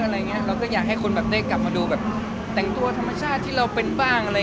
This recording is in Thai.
เราก็อยากให้คนแบบได้กลับมาดูแบบแต่งตัวธรรมชาติที่เราเป็นบ้างอะไร